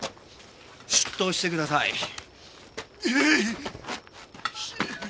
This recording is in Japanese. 出頭してください。